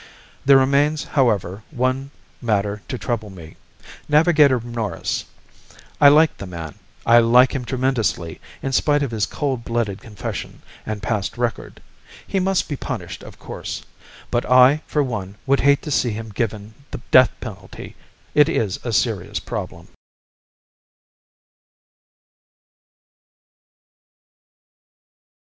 There remains, however, one matter to trouble me. Navigator Norris. I like the man. I like him tremendously, in spite of his cold blooded confession, and past record. He must be punished, of course. But I, for one, would hate to see him given the death penalty. It is a serious problem.